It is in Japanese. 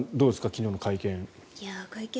昨日の会見。